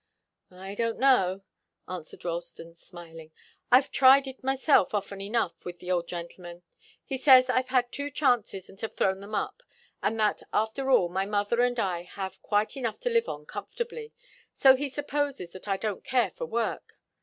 "I don't know," answered Ralston, smiling. "I've tried it myself often enough with the old gentleman. He says I've had two chances and have thrown them up, and that, after all, my mother and I have quite enough to live on comfortably, so he supposes that I don't care for work.